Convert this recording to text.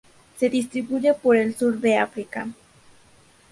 Se distribuye por el sur de África.